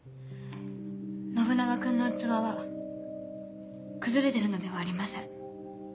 信長君の器は崩れてるのではありません。